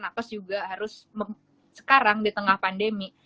nakes juga harus sekarang di tengah pandemi